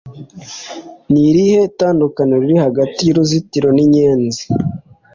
ni irihe tandukaniro riri hagati y'uruzitiro n'inyenzi